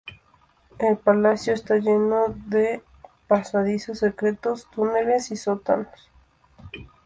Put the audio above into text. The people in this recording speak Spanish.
El palacio está lleno de pasadizos secretos, túneles y sótanos.